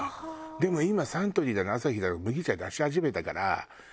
でも今サントリーだのアサヒだの麦茶出し始めたから。